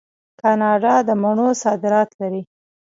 کاناډا د مڼو صادرات لري.